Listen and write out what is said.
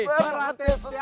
berlatih setiap hari